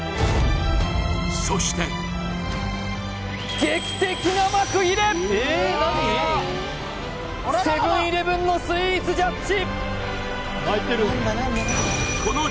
そしてセブン−イレブンのスイーツジャッジ